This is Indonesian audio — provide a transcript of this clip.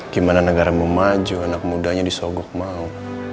gimana negara memaju anak mudanya disogok mau